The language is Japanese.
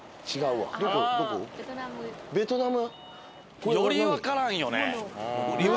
ベトナム。